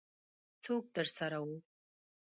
څوک درسره وو؟